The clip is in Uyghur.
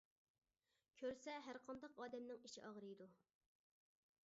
كۆرسە ھەر قانداق ئادەمنىڭ ئىچى ئاغرىيدۇ.